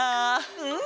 うん！